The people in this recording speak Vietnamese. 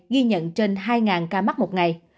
ghi nhận trên hai ca mắc một ngày